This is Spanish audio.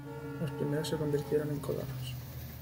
Los primeros se convirtieron en colonos.